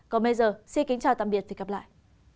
còn bây giờ xin kính chào tạm biệt và hẹn gặp lại